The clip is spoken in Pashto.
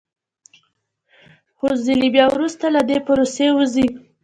خو ځینې بیا وروسته له دې پروسې وځي